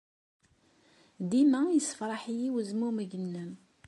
Dima yessefṛaḥ-iyi wezmumeg-nnem.